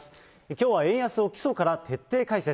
きょうは円安を基礎から徹底解説。